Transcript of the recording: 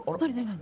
何？